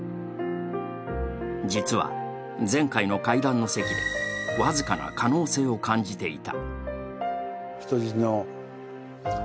実は、前回の会談の席で僅かな可能性を感じていた。